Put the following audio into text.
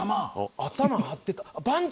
頭張ってた番長？